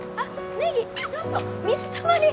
ネギちょっと水たまり！